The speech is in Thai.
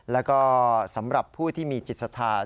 และก็สำหรับผู้ที่มีจิตศาสตร์